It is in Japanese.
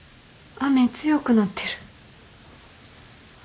雨強くなってる。